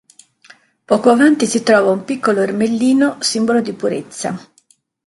Poco avanti si trova un piccolo ermellino, simbolo di purezza.